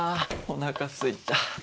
おなかすいた。